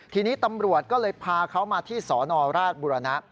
ทีนี้ตำรวจก็เลยพาเขามาที่สนราชบุรณะ